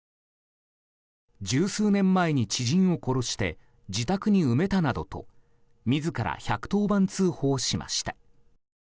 十数年前に知人を殺して自宅に埋めたなどと自ら１１０番通報しました。